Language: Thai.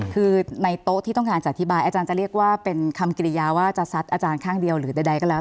คือในโต๊ะที่ต้องการจะอธิบายอาจารย์จะเรียกว่าเป็นคำกิริยาว่าจะซัดอาจารย์ข้างเดียวหรือใดก็แล้ว